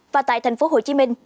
và tại thành phố hồ chí minh